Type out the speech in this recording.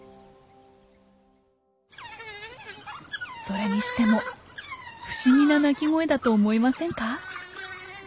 それにしても不思議な鳴き声だと思いませんか？